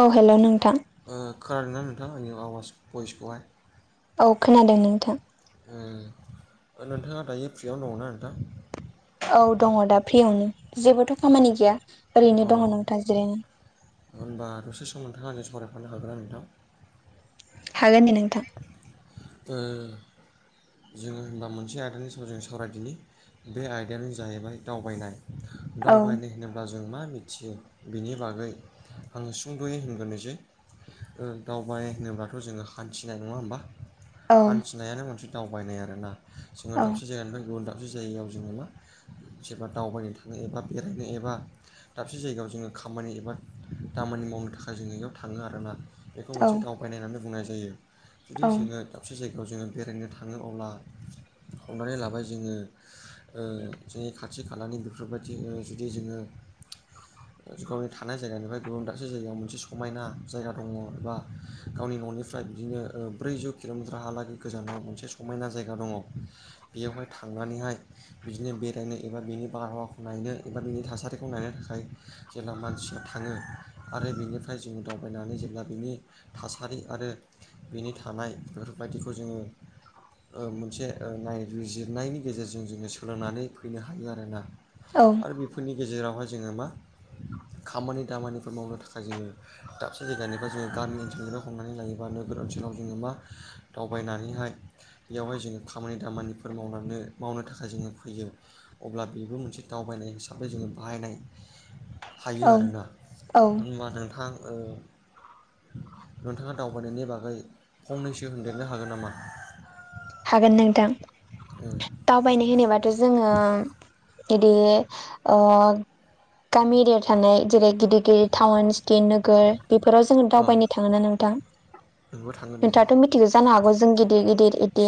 औ हेलौ नोंथां। ओ खोनादों ना नोंथां आंनि आवाज भइसखौहाय औ खोनादों नोंथां। ओ ओ नोंथाङा दायो फ्रियावनो दङ' ना नोंथां? औ दङ' दा फ्रियावनो। जेबोथ' खामानि गैया। अ ओरैनो दङ' नोंथा जिरायना। होनबा दसे सम नोंथाङा आंजों सावरायफानो हागोन ना नोंथां? हागोन दे नोंथां। ओ जोङो होनबा मोनसे आयदानि सायाव जों सावरायदिनि। बे आयदायानो जाहैबाय दावबायनाय। औ दावबायनाय होनो ब्ला जों मा मिथियो बिनि बागै आङो सुंद'यै होनगोरनोसै। ओ दावबाय होनोब्लाथ' जोङो हान्थिनाय नङा होमबा औ हान्थिनायानो मोनसे दावबायनाय आरो ना। जोङो औ दाबसे जायगानिफ्राय गुबुन दाब से जायगायाव जोङो मा जेबा दावबायनो थाङो एबा बेरायनो एबा दाबसे जायगायाव जोङो खामानि एबा दामानि मावनो थाखाय जोङो इयाव थाङो आरो ना। बेखौ मोनसे दावबायनाय होननानै बुंनाय जायो। जुदि औ जोङो दाबसे जायगायाव जोङो बेरायनो थाङो अब्ला हमनानै लाबाय जोङो ओ जोंनि खाथि खालानि बेफोरबायदि ओ जुदि जोङो गावनि थानाय जायगानिफ्राय गुबुन दाबसे जायगायाव मोनसे समायना जायगा दङ' एबा गावनि न'निफ्राय बिदिनो ओ ब्रैजौ किल'मिटारहालागै गोजानाव मोनसे समायना जायगा दङ'। बेयावहाय थांनानैहाय बिदिनो बेरायनो एबा बिनि बारहावाखौ नायनो एबा बिनि थासारिखौ नायनो थाखाय जेला मानसिफोर थाङो आरो बिनिफ्राय जोङो दावबायनानै जेब्ला बिनि थासारि आरो बिनि थानाय बेफोरबायदिखौ जोङो ओ मोनसे ओ नायबिजिरनायनि गेजेरजों जोङो सोलोंनानै फैनो हायो आरो ना। औ आरो बेफोरनि गेजेरावहाय जोङो मा खामानि दामानिफोर मावनो थाखाय जोङो दाबसे जायगानिफ्राय जोङो गामि ओनसोलनिल' हमनानै लायोबा नोगोर ओनसोलाव जोङो मा दावबायनानैहाय बेयावहाय जोङो खामानि दामानिफोर मावलांनो मावनो थाखाय जोङो फैयो। अब्ला बेबो मोनसे दावबायनाय हिसाबै जोङो बाहायनाय थायो औ आरो ना औ होनबा नोंथां ओ नोंथाङा दावबायनायनि बागै फंनैसो होनदेरनो हागोन नामा? हागोन नोंथां दावबायनाय होनोबा थ' जोङो इदि ओ गामि एरियाव थानाय जेरै गिदिर गिदिर थाउन सिटि नोगोर बेफोराव जोङो औ दावबायनो थाङा ना नोंथां नोंबो थांगोन नोंथां नोंथाङाथ' मि थिगो जानो हागौ जों गिदिर गिदिर इदि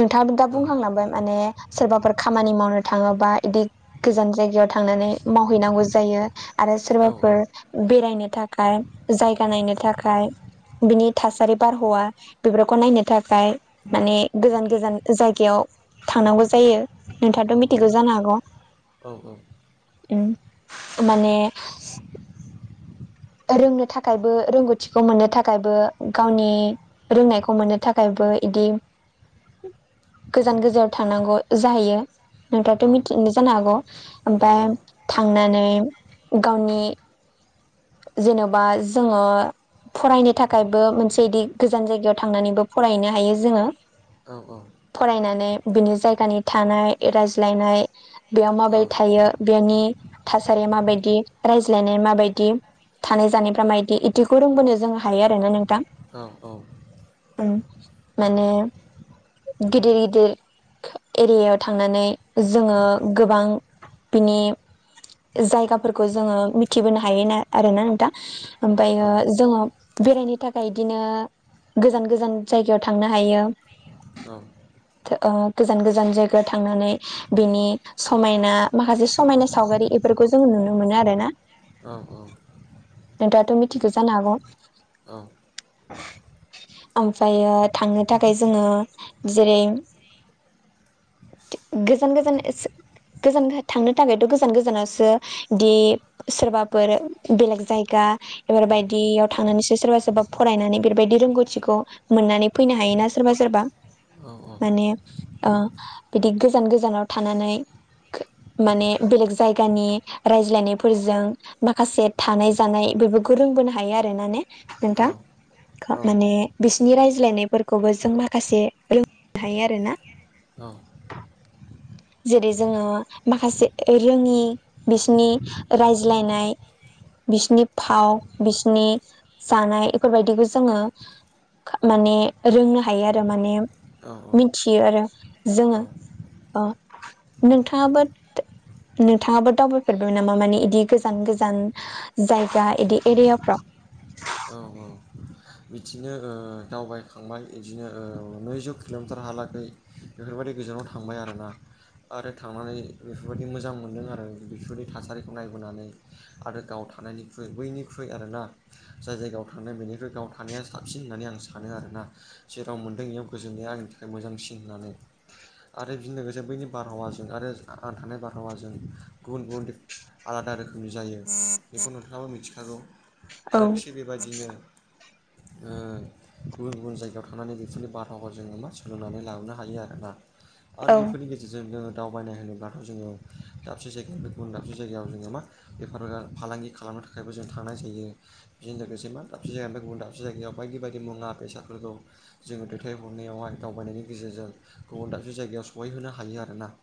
नोंथाङाबो दा औ बुंखांलांबाय माने सोरबाफोर खामानि मावनो थाङोबा इदि गोजान जायगायाव थांनानै मावहैनांगौ जायो। आरो औ सोरबाफोर बेरायनो थाखाय जायगा नायनो थाखाय बिनि थासारि बारहावा बेफोरखौ नायनो थाखाय माने गोजान गोजान जायगायाव थांनांगौ जायो। नोंथाङाथ' औ मिथिगौ जानो हागौ औ उम माने रोंनो थाखायबो रोंगौथिखौ मोननो थाखायबो गावनि रोंनायखौ मोननो थाखायबो इदि गोजान गोजानाव थांनांगौ जाहैयो। नोंथाङाथ' औ मिनथियो जानो हागौ औ ओमफाय थांनानै गावनि जेनबा जोङो फरायनो थाखायबो मोनसे इदि गोजान जायगायाव थांनानैबो फरायहैनो हायो जोङो। औ औ। फरायनानै बिनि जायगानि थानाय रायज्लायनाय बेयाव माबोरै थायो बेनि थासारिया माबायदि रायज्लायनाय माबायदि थानाय जानायफ्रा मायदि इदिखौ रोंबोनो जों हायो आरोना नोंथां। औ औ उम माने गिदिर गिदिर एरियायाव थांनानै जोङो गोबां बिनि जायगाफोरखौ जोङो मिथिबोनो हायो ना आरोना नोंथां औ ओमफायो जोङो बेरायनो थाखाय इदिनो गोजान गोजान जायगायाव थांनो हायो। [inaudible] औ थो ओ गोजान गोजान जायगायाव थांनानै बेनि समायना माखासे समायना सावगारि इफोरखौ जों नुनो मोनो आरोना। औ औ। नोंथाङाथ' मिथिखो जानो हागौ? ओमफ्रायो थांनो थाखाय जोङो जेरै गोजान गोजान [unintelligible] गोजानो थांनो थाखायथ' गोजान गोजानावासो दि सोरबाफोर बेलेग जायगा इफोरबायदियाव थांनानैसो सोरबा सोरबा फरायनानै फोरबायदि रोंगौथिखौ मोननानै फैनो हायोना सोरबा सोरबा माने ओ बिदि गोजान गोजानाव थानानै माने बेलेग जायगानि रायज्लायनायफोरजों माखासे थानाय जानाय बेफोरखौ रोंबोनो हायो आरोना ने नोंथां औ माने बिसिनि रायज्लायनायफोरखौबो जों माखासे रोंनो हायो आरोना। जेरै जोङो माखासे रोङि बिसनि रायज्लायनाय बिसिनि फाव बिसनि जानाय इफोरबायदिखौ जोङो खा माने रोंनो हायो आरो माने औ मिथियो आरो जोङो। अ नोंथाङाबो नोंथाङाबो दावबायफेरबाय नामा माने इदि गोजान गोजान जायगा इदि एरियाफ्राव? औ औ। बिदिनो ओ दावबायखांबाय इदिनो ओ नैजौ किल'मिटारहालागै बेफोरबायदि गोजानाव थांबाय आरोना आरो थांनानै बेफोरबायदि मोजां मोनदों आरो बेफोरबायदि थासारिखौ नायबोनानै। आरो गाव थानायनिख्रुइ बैनिख्रुइ आरोना जाय जायगायाव थांनाय बेनिख्रुइ गाव थानाया साबसिन होननानै आं सानो आरोना जेराव मोन्दों बेयाव गोजोननाया आंनि थाखाय मोजांसिन होननानै। आरो बिजों लोगोसे बैनि बारहावाजों आरो आं थानाय बारहावाजों गुबुन गुबुन दिफ आलादा रोखोमनि जायो बेखौ नोंथाङाबो मिथिखागौ औ आरो थिग बेबादिनो ओ गुबुन गुबुन जायगायाव थांनानै बिसोरनि बारहावा जोङो मा सोलोंनानै लाबोनो हायो आरोना आरो औ बिफोरनि गेज जोङो दो दावबायनाय होनोब्लाथ' जोङो दाबसे जायगानिफ्राय गुबुन दाबसे जायगायाव जोङो मा बेफार बेला फालांगि खालामनो थाखायबो जों थांनाय जायो बिजों लोगोसे मा दाबसे जायगानिफाय गुबुन दाब से जायगायाव बायदि बायदि मुंआ बेसादफोरखौ जोङो दैथायहरनायावहाय दावबायनायनि गेजेरजों गुबुन दाबसे जायगायाव सहैहोनो हायो आरोना।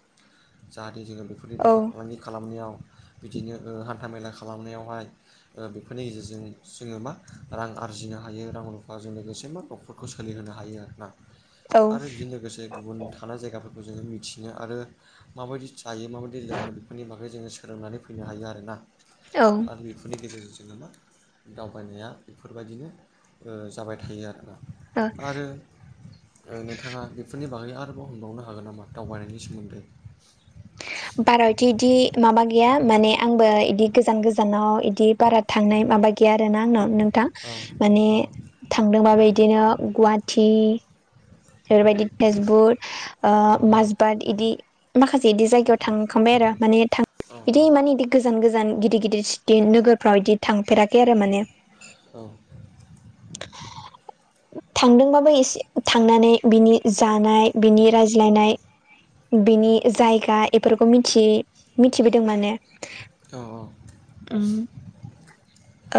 जाहाथे जोङो बेफोरनि बेफार फालांगि खालामनायाव बिदिनो ओ हान्था मेला खालामनायावहाय ओ बेफोरनि गेजेरजों जोङो मा रां आरजिना हायो रां रुफाजों लोगोसे मा न'खरखौ सोलिहोनो हायो आरोना औ आरो बिजों लोगोसे गुबुन थानाय जायगाफोरखौ जोङो मिथिनो आरो माबायदि जायो माबायदि लोङो बेफोरनि बागै जोङो सोलोंनानै फैनो हायो आरोना। आरो बेफोरनि गेजेरजों जोङो मा दावबायनाया बेफोरबायदिनो ओ जाबाय थायो आरोना औ आरो ओ नोंथाङा बेफोरनि बागै आरोबाव हनबावनो हागोन नामा दावबायनायनि सोमोन्दै? बारहथि इदि माबा गैया माने आंबो इदि गोजान गोजानाव इदि बारा थांनाय माबा गैया आर ना आंनाव नोंथां माने औ थांदोंबाबो इदिनो गुवाहाटि बेफोरबायदि तेजपुर औ माजबाद इदि माखासे बिदि जायगायाव थांखांबाय आरो माने थां औ बिदि मानि इदि गोजान गोजान गिदिर गिदिर सिटि नोगोरफ्राव इदि थांफेराखै आरो माने औ थांदोंबाबो एसे थांनानै बिनि जानाय बिनि रायज्लायनाय बिनि जायगा बेफोरखौ मिथियै मिथिबोदों माने औ औ उम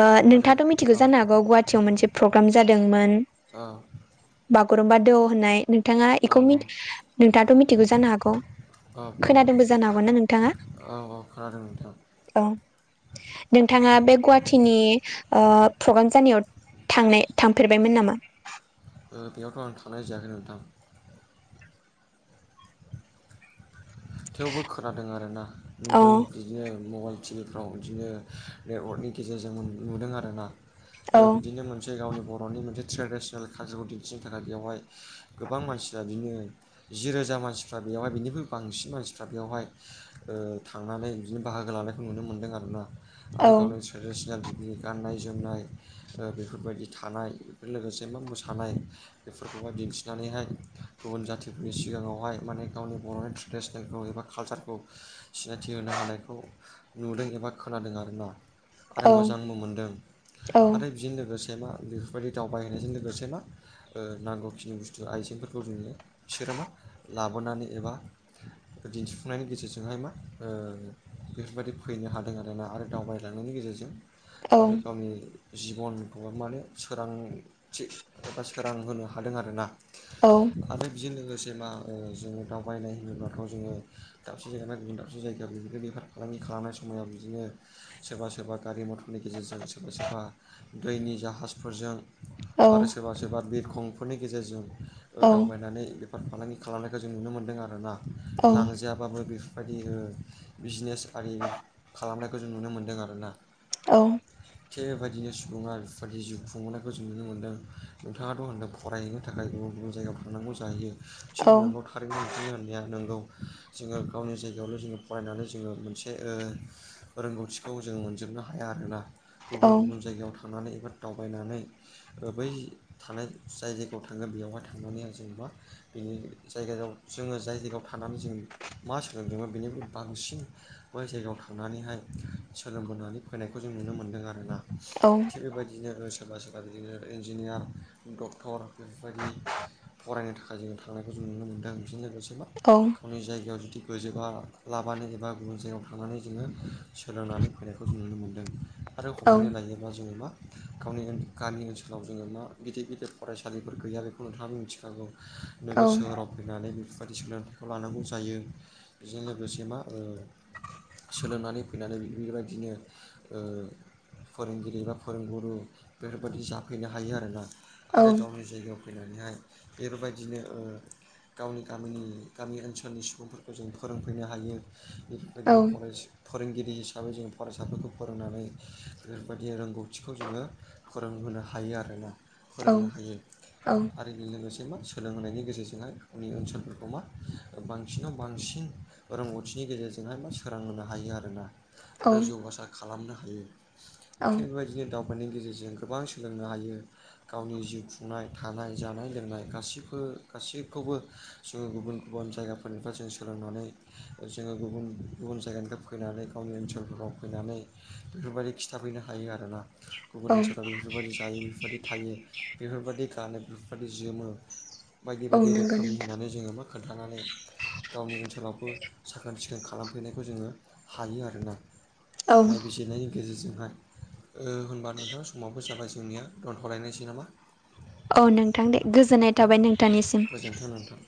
ओ आरो नोंथाङाथ' मिथिखौ औ जानो हागौ गुवाहाटियाव मोनसे प्रग्राम जादोंमोन अ' बागुरुम्बा दौ होननाय नोंथाङा बेखौ नोंथाङाथ' मिथिगौ जानो हागौ औ खोनादोंबो जानो हागौ ना नोंथाङा औ खोनादों नोंथां औ नोंथाङा बे गुवाहाटिनि ओ प्रग्राम जानायाव थांनाय थांफेरबायमोन नामा बेयावथ' आं थांनाय जायाखै नोंथां थेवबो खोनादों आर ना औ नुदों बिदिनो मबाइल टिभि फ्राव इदिनो नेटवर्कनि गेजेरजों नुदों आरोना ओ औ बिदिनो मोनसे गावनि बर'नि मोनसे ट्रेडिसनेल कालसारखौ दिन्थिनो थाखाय बेवहाय गोबां मानसिया बिनो जि रोजा मानसिफ्रा बेयावहाय बेनिख्रुइ बांसि न मानसिफ्रा बेवहाय ओ थांनानै बिदिनो बाहागो लानायखौ नुनो मोन्दों आरोना। आरो औ गावनो ट्रेडिसनेल बिदि गाननाय जोमनाय ओ बेफोरबायदि थानाय बेफोर लोगोसे मा मोसानाय बेफोरखौहाय दिन्थिनानैहाय गुबुन जाथिफोरनि सिगाङावहाय माने गावनि बर'नि ट्रे ट्रेडिसनेलखौ एबा कालचारखौ सिनायथि होनो हानायखौ नुदों एबा खोनादों आरोना आरो औ मोजांबो मोनदों औ आरो बेजों लोगोसे मा बेफोरबायदि दावबायहोनायजों लोगोसे मा ओ नांगौखिनि बुस्थु आइजेंफोरखौ जोङो बिसोरो मा लाबोनानै एबा दिन्थिफुंनायनि गेजेरजोंहाय मा ओ बेफोरबायदि फैनो हादों आरोना आरो दावबा लांनायनि गेजेरजों औ आरो गावनि जिबनखौ माने सोरांथि एबा सोरां होनो हादों आर ना। औ आरो बेजों लोगोसे मा ओ जोङो दावबायनाय होनोब्ला खौ जोङो दाबसे जायगानि गुबुन दाबसे जायगायाव बिदिनो बेफार फालांगि खालामनाय समायाव बिदिनो सोरबा सोरबा गारि मथरनि गेजेरजों सोरबा सोरबा दैनि जाहाजफोरजों औ आरो सोरबा सोरबा बिरखंफोरनि गेजेरजों ओ दावबायनानै बेफार फालांगि खालामनायखौ जों नुनो मोन्दों आरोना औ लांजायाबाबो बेफोरबायदि बिजनेस आरि खालामनायखौ जों नुनो मोन्दों आरोना औ थिग बेबायदिनो सुबुङा बेफोबादि जिउ खुंबोनायखौ जों नुनो मोनदों नोंथाङाथ' होन्दों फरायहैनो थाखाय गुबुन गुबुन जायगायाव थांनांगौ जाहैयो थिग औ नंंगौ थारैनो नोंथांनि होननाया नंगौ जोङो गावनि जायगायावल' जोङो फरायनानै जोङो मोनसे ओ रोंगौथिखौ जों मोनजोबनो हाया आरोना गुबुन औ गुबुन जायगायाव थांनानै एबा दावबायनानै बै थानाय जाय जायगायाव थाङो बेयावहाय थांनानै आं जेनेबा बेनि जायगायाव जोङो जाय जायगायाव थानानै जों मा सोलोंदों बेनिफ्राय बांसिन बै जायगायाव थांनानैहाय सोलोंबोनानै फैनायखौ जों नुनो मोन्दों आरोना थिग बेबायदिनो सोरबा सोरबा आरो इदिनो इन्जिनियार डक्टर बेफोरबायदि फरायनो थाखाय जों था थांनायखौ जों नुनो मोनदों बेजोंनो लोगोसे मा औ गावनि जायगायाव जुदि गोजोबा लाबानो एबा गुबुन जायगायाव थानानै जोङो सोलोंनानै फैनायखौ जों नुनो मोन्दों आरो औ हमनानै लायो दा जोङो मा गावनि गामि ओनसोलाव जोङो मा गिदिर गिदिर फरायसालिफोर गैया बेखौ नोंथाङाबा मिथि खागौ नोगोर सोहोराव फैनानै बेफोरबायदि सोलोंथा खौ लानांगौ जायो बेजों लोगोसे मा ओ सोलोंनानै फैनानै बेबादिनो ओ फोरोंगिरि बा फोरोंगुरु बेफोरबायदि जाफैनो हायो आरोना। आरो गावनि जायगायाव फैनानैहाय बेफोरबायदिनो ओ गावनि गामिनि गामि ओनसोलनि सुबुंफोरखौ जों फोरोंफैनो हायो बेफोरबायदिनो फरेस फोरोंगिरि हिसाबै जों फरायसाफोरखौ फोरोंनानै बेफोरबायदि रोंगौथिखौ जोङो रोंहोनो हायो आरोना फोरोंनो हायो औ [unintelligible] [unintelligible] लोगोसे मा सोलोंहोनायनि गेजेरजोंहाय गावनि ओनसोलफोरखौ मा बांसिनाव बांसिन रोंगौथिनि गेजेरजोंहाय मा सोरां होनो हायो आरोना। आरो औ जौगासार खालामनो हायो थिग बेबायदिनो दाउ फोरनि गेजेरजों गोबां सोलोंनो हायो गावनि जिउ खुंनाय थानाय जानाय लोंनाय गासैफो गासैखौबो जोङो गुबुन बुन जायगाफोरनिफ्राय जों सोलोंनानै जोङो गुबुन-गुबुन जायगानिफ्राय फैनानै गावनि ओनसोलफोराव फैनानै बेफोरबायदि खिथाफैनो हायो आरोना गुबुन औ ओनसोलाव बेफोरबायदि हायो बेफोरबायदि थायो बेफोरबायदि गानो बेफोरबायदि जोमो औ बायदि-बायदि नंगौ रोखोमनि नोंथां होननानै जोङो मा खोन्थानानै गावनि ओनसोलावबो साखोन सिखोन खालामफैनायखौ जोङो हायो आरोना औ नायबिजिरनायनि गेजेरजोंहाय ओ होनबा नोंथां समाबो जाबाय जोंनिया दोनथ'लायनिसै नामा औ नोंथां दे गोजोननाय थाबाय नोंथांनिसिम गोजोन्थों नोंथां